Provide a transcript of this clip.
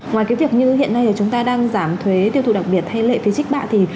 ngoài cái việc như hiện nay thì chúng ta đang giảm thuế tiêu thụ đặc biệt hay lệ phí trích bạ thì